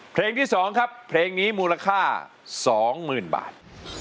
เพลงที่๒ครับเพลงนี้มูลค่า๒๐๐๐บาท